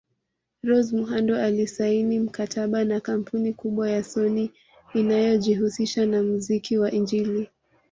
Rose Muhando alisaini mkataba na kampuni kubwa ya sony inayojihusisha na mziki wa injili